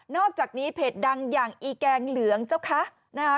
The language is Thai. อกจากนี้เพจดังอย่างอีแกงเหลืองเจ้าคะนะคะ